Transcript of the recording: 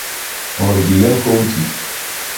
— Гордієнко утік.